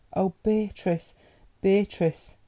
Oh, Beatrice, Beatrice!